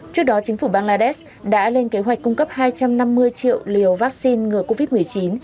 trước đó chính phủ bangladesh đã lên kế hoạch cung cấp hai trăm năm mươi triệu liều vaccine ngừa covid một mươi chín